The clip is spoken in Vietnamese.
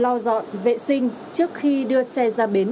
lo dọn vệ sinh trước khi đưa xe ra bến